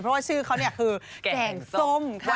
เพราะว่าชื่อเขาคือแกงส้มค่ะ